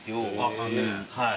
はい。